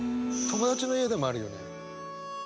友達の家でもあるよね！